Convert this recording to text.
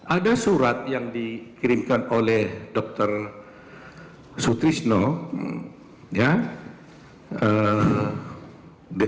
ada surat yang dikirimkan oleh dr sutrisno ya